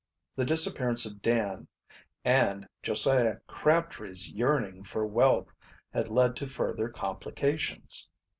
The disappearance of Dan, and Josiah Crabtree's yearning for wealth, had led to further complications.